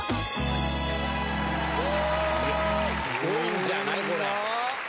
すごいんじゃない⁉うま！